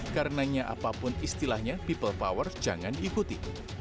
karenanya apapun istilahnya people power jangan diikuti